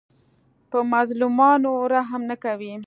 په مظلومانو رحم نه کوي.